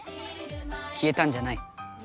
きえたんじゃない。